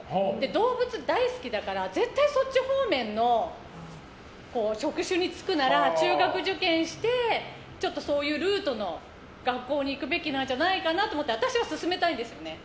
動物大好きだから絶対そっち方面の職種に就くなら中学受験してそういうルートの学校に行くべきなんじゃないかと思って私は勧めたいんですよね。